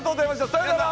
さようなら！